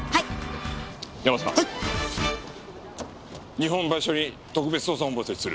日本橋署に特別捜査本部を設置する。